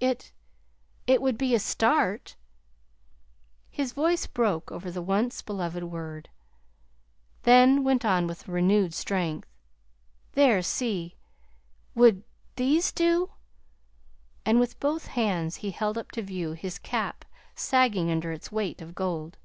It it would be a start." His voice broke over the once beloved word, then went on with renewed strength. "There, see! Would these do?" And with both hands he held up to view his cap sagging under its weight of gold.